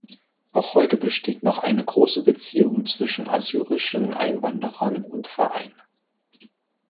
Auch heute besteht noch eine große Beziehung zwischen assyrischen Einwanderern und Verein.